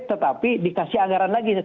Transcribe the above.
tetapi dikasih anggaran lagi